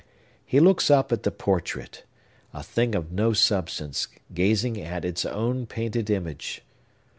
He looks up at the portrait; a thing of no substance, gazing at its own painted image!